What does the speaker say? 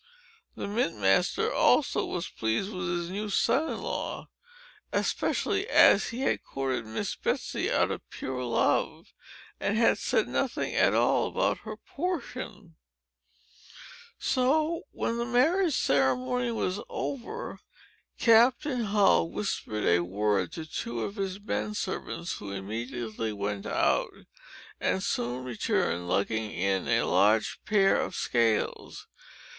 The mint master also was pleased with his new son in law; especially as he had courted Miss Betsey out of pure love, and had said nothing at all about her portion. So when the marriage ceremony was over, Captain Hull whispered a word to two of his men servants, who immediately went out, and soon returned, lugging in a large pair of scales.